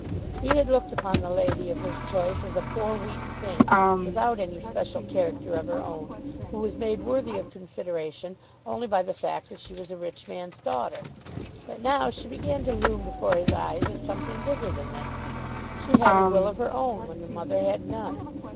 He had looked upon the lady of his choice as a poor weak thing, without any special character of her own, who was made worthy of consideration only by the fact that she was a rich man's daughter; but now she began to loom before his eyes as something bigger than that. She had had a will of her own when the mother had none.